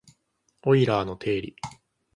オイラーの定理